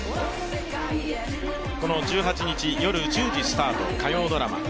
この１８日夜１０時スタート火曜ドラマ